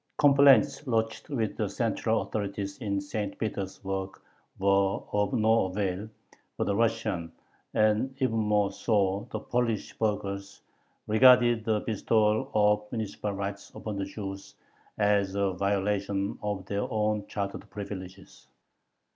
Complaints lodged with the central authorities in St. Petersburg were of no avail, for the Russian, and even more so the Polish, burghers regarded the bestowal of municipal rights upon the Jews as a violation of their own chartered privileges.